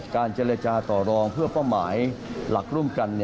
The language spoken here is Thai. เจรจาต่อรองเพื่อเป้าหมายหลักร่วมกัน